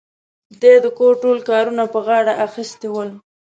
دې د کور ټول کارونه په غاړه اخيستي ول.